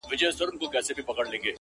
بیا د ژړو ګلو وار سو د زمان استازی راغی-